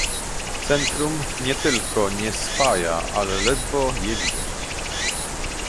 Centrum nie tylko nie spaja, ale ledwo je widać